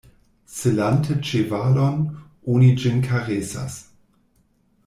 Selante ĉevalon, oni ĝin karesas.